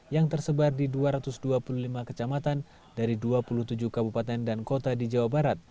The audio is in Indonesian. yang tersebar di dua ratus dua puluh lima kecamatan dari dua puluh tujuh kabupaten dan kota di jawa barat